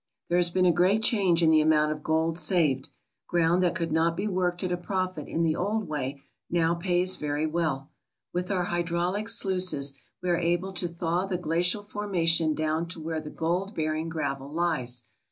"There has been a great change in the amount of gold saved. Ground that could not be worked at a profit in the old way now pays very well. With our hydraulic 194 CREEKS THAT MADE MILLIONAIRES sluices we are able to thaw the glacial formation down to where the gold bearing gravel lies.